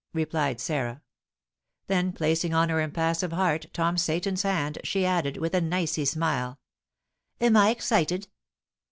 replied Sarah. Then, placing on her impassive heart Tom Seyton's hand, she added, with an icy smile, "Am I excited?"